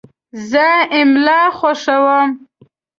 زه املا خوښوم.